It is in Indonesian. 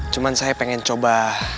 cuma saya pengen coba